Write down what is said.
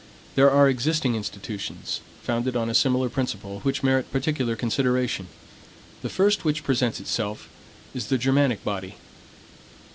There are existing institutions, founded on a similar principle, which merit particular consideration. The first which presents itself is the Germanic body.